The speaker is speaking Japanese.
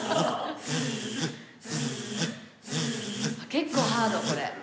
結構ハードこれ。